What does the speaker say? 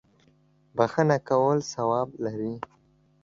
بخښه کول ثواب لري.